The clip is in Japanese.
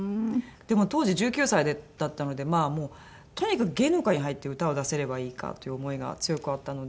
でも当時１９歳だったのでもうとにかく芸能界に入って歌を出せればいいかという思いが強くあったので。